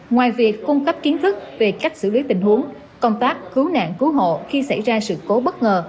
ngoài việc cung cấp kiến thức về cách xử lý tình huống công tác cứu nạn cứu hộ khi xảy ra sự cố bất ngờ